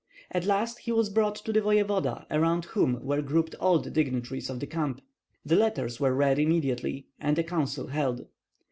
At last he was brought to the voevoda, around whom were grouped all the dignitaries in the camp. The letters were read immediately, and a council held.